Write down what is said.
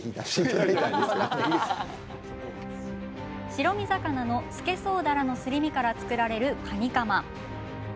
白身魚のスケソウダラのすり身から作られるカニカマ。